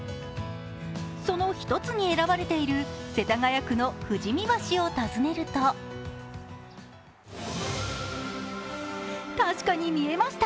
その一つに選ばれている世田谷区の富士見橋を訪ねると、確かに見えました。